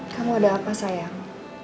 kamu ada apa sayang